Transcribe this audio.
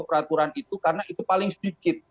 peraturan itu karena itu paling sedikit